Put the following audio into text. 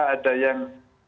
delapan puluh lima ada yang